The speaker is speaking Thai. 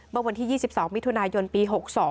เมื่อวันที่๒๒มิถุนายนปี๖๒